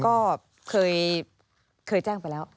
ก็เคยแจ้งไปแล้ว